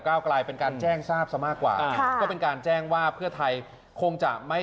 กลายเป็นการแจ้งทราบซะมากกว่าก็เป็นการแจ้งว่าเพื่อไทยคงจะไม่